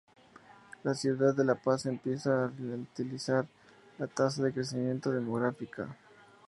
La ciudad de La Paz empieza a ralentizar la tasa de crecimiento demográfica.